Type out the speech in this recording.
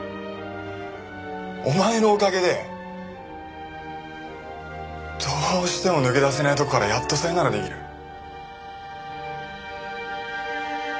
お前のおかげでどうしても抜け出せないところからやっとさよなら出来る。